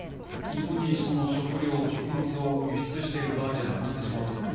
日本に食料食物を輸出している場合じゃなくなってしまうということ。